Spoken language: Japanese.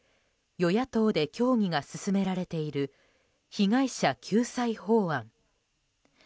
与野党で協議が進められている被害者救済法案。